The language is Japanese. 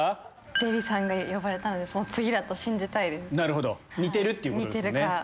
デヴィさんが呼ばれたので次だと信じたいです似てるから。